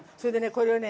これをね